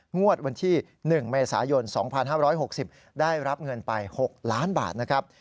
งวดวันที่๑เมษายน๒๕๖๐ได้รับเงินไป๖ล้านบาทนะครับ